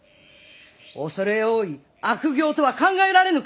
恐れ多い悪行とは考えられぬか！